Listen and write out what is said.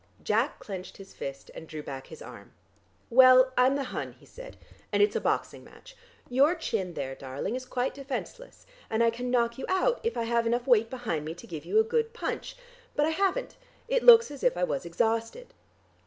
Jack clenched his fist and drew back his arm. "Well, I'm the Hun," he said, "and it's a boxing match. Your chin there, darling, is quite defenceless, and I can knock you out, if I have enough weight behind me to give you a good punch. But I haven't; it looks as if I was exhausted.